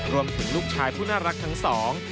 รวมถึงลูกชายผู้น่ารักทั้งสอง